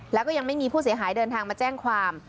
แล้วก็ยังไม่มีผู้เสียหายเดินทางมาแจ้งความ